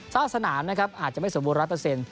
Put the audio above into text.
ซ่อมสนามนะครับอาจจะไม่สมบูรณ์๑๐๐